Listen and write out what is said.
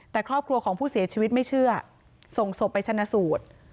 แต่ครอบครัวของผู้เสียชีวิตไม่เชื่อส่งศพไปชนะสูตร